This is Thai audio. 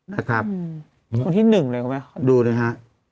นะครับคนที่หนึ่งเลยเข้ามาดูนะฮะ